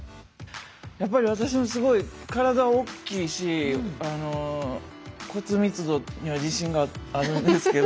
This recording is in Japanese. やっぱり私もすごい体おっきいし骨密度には自信があるんですけど。